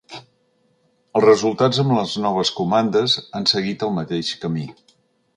Els resultats amb les noves comandes han seguit el mateix camí.